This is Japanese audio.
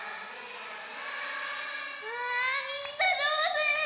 うわみんなじょうず！